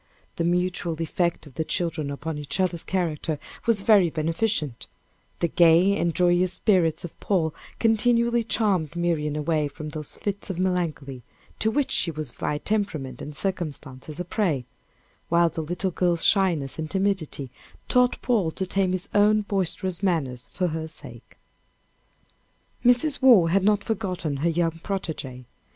The mutual effect of the children upon each other's characters was very beneficent; the gay and joyous spirits of Paul continually charmed Miriam away from those fits of melancholy, to which she was by temperament and circumstances a prey, while the little girl's shyness and timidity taught Paul to tame his own boisterous manners for her sake. Mrs. Waugh had not forgotten her young protége.